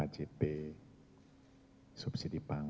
anaknya mendapatkan subsidi pangan